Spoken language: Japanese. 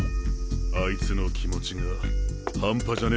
あいつの気持ちがハンパじゃね